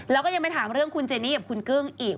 แล้วก็ยังไปถามเรื่องคุณเจนี่กับคุณกึ้งอีก